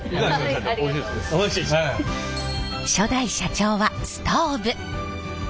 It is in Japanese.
初代社長はストーブ。